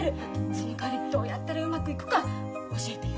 そのかわりどうやったらうまくいくか教えてよ。